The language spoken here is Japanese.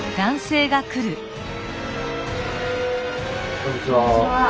こんにちは。